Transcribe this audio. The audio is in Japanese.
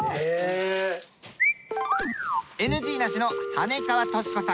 ＮＧなしの羽根川利子さん。